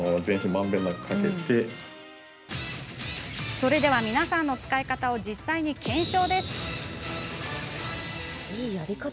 それでは皆さんの使い方を実際に検証。